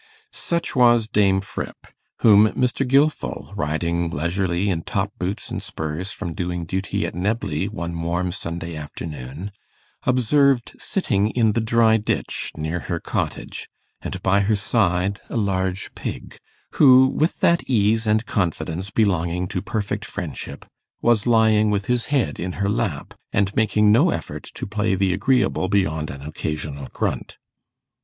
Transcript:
Such was Dame Fripp, whom Mr. Gilfil, riding leisurely in top boots and spurs from doing duty at Knebley one warm Sunday afternoon, observed sitting in the dry ditch near her cottage, and by her side a large pig, who, with that ease and confidence belonging to perfect friendship, was lying with his head in her lap, and making no effort to play the agreeable beyond an occasional grunt.